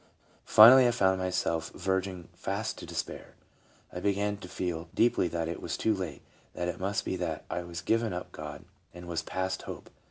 ... Finally I found myself verging fast to despair. .. I began to feel deeply that it was too late, that it must be that I was given up of God and was past hope.